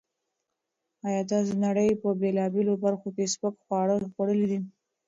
ایا تاسو د نړۍ په بېلابېلو برخو کې سپک خواړه خوړلي دي؟